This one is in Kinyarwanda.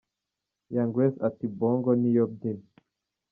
Young Grace ati Bongo niyo mbyino.